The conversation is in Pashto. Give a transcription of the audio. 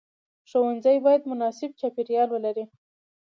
ښوونځی باید مناسب چاپیریال ولري.